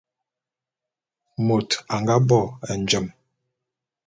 Môt a nga bo njem.